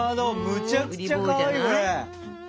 むちゃくちゃかわいいこれ。